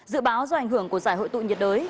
dự báo do ảnh hưởng của giải hội tụ nhiệt đới